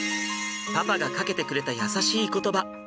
パパがかけてくれた優しい言葉。